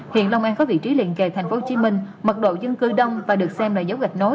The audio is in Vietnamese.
hiện long an có vị trí liền kề tp hcm mật độ dân cư đông và được xem là dấu gạch nối